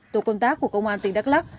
tổ công tác của công an tỉnh đắk lắc